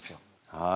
はい！